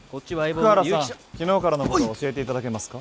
福原さん昨日からのことを教えていただけますか？